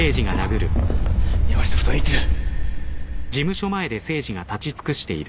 山下ふ頭に行ってる